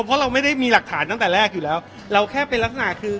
เพราะเราไม่ได้มีหลักฐานตั้งแต่แรกอยู่แล้วเราแค่เป็นลักษณะคือ